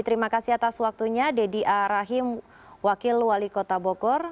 terima kasih atas waktunya deddy a rahim wakil wali kota bogor